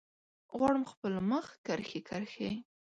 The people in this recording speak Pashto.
غواړم خپل مخ کرښې، کرښې